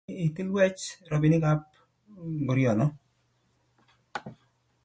asomin gaigai itilwech robinikab ngoriono